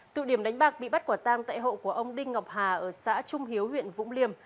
tụ điểm đánh bạc bị bắt quả tang tại hộ của ông đinh ngọc hà ở xã trung hiếu huyện vũng liêm